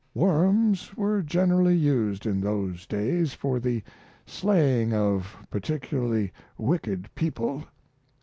Worms were generally used in those days for the slaying of particularly wicked people.